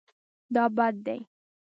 دا بد دی